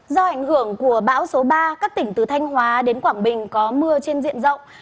do ảnh hưởng của bão số ba các tỉnh từ thanh hóa đến quảng bình có mưa trên diện rộng